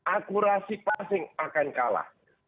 akurasi passing akan kalah